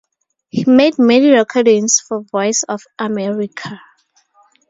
He made many recordings for Voice of America.